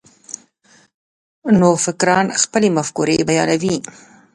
نوفکران خپلې مفکورې بیانوي.